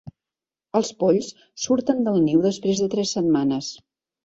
Els polls surten del niu després de tres setmanes.